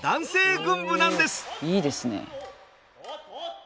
おいいですね。